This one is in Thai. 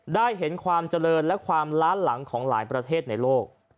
ได้เห็นความเจริญและความล้านหลังของหลายประเทศในโลก